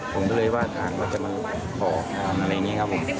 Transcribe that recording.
ผมก็เลยว่าถามว่าจะมาขออะไรอย่างนี้ครับผม